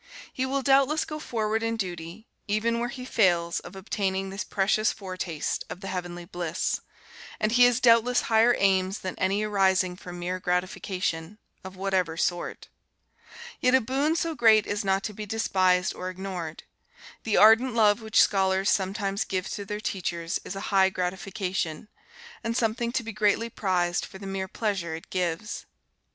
He will doubtless go forward in duty, even where he fails of obtaining this precious foretaste of the heavenly bliss, and he has doubtless higher aims than any arising from mere gratification, of whatever sort. Yet a boon so great is not to be despised or ignored. The ardent love which scholars sometimes give to their teachers is a high gratification, and something to be greatly prized for the mere pleasure it gives.